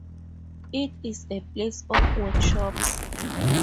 It is a place of workshops.